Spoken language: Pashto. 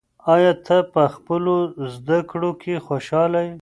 آیا ته په خپلو زده کړو کې خوشحاله یې؟